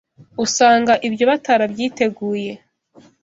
usanga ibyo batarabyiteguye